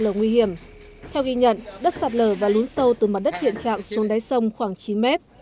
lở nguy hiểm theo ghi nhận đất sạt lở và lún sâu từ mặt đất hiện trạng xuống đáy sông khoảng chín mét